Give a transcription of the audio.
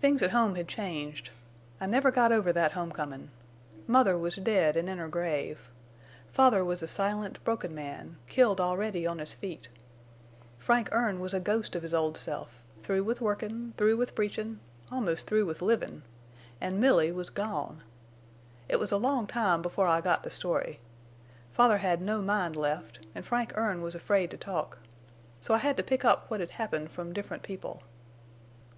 "Things at home had changed. I never got over that homecomin'. Mother was dead an' in her grave. Father was a silent, broken man, killed already on his feet. Frank Erne was a ghost of his old self, through with workin', through with preachin', almost through with livin', an' Milly was gone!... It was a long time before I got the story. Father had no mind left, an' Frank Erne was afraid to talk. So I had to pick up what'd happened from different people.